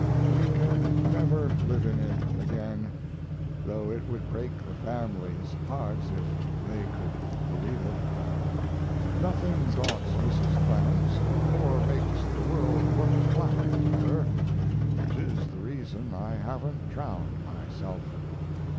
We can never live in it again; though it would break the family's hearts if they could believe it. Nothing daunts Mrs. Clemens or makes the world look black to her which is the reason I haven't drowned myself.